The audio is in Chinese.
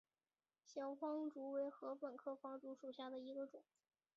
小方竹为禾本科方竹属下的一个种。